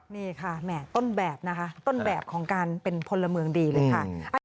นี่ค่ะแหม่ต้นแบบนะคะต้นแบบของการเป็นพลเมืองดีเลยค่ะ